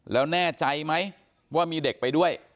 แล้วแน่ใจไหมว่ามีเด็กไปด้วย